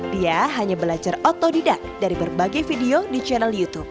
dia hanya belajar otodidak dari berbagai video di channel youtube